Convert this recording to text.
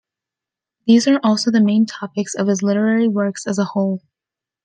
These are also the main topics of his literary works as a whole.